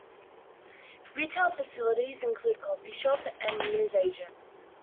Retail facilities include a coffee shop and newsagent.